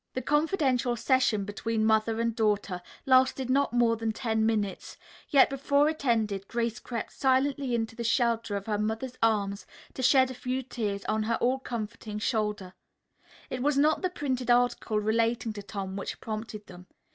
The confidential session between mother and daughter lasted not more than ten minutes, yet before it ended Grace crept silently into the shelter of her mother's arms to shed a few tears on her all comforting shoulder. It was not the printed article relating to Tom which prompted them.